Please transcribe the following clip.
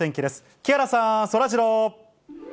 木原さん、そらジロー。